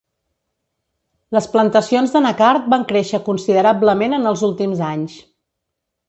Les plantacions d'anacard van créixer considerablement en els últims anys.